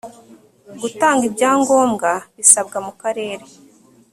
gutanga ibyangombwa bisabwa mu karere